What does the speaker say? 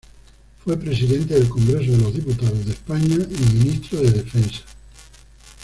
Fue Presidente del Congreso de los Diputados de España y ministro de Defensa.